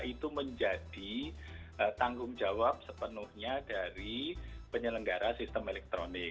itu menjadi tanggung jawab sepenuhnya dari penyelenggara sistem elektronik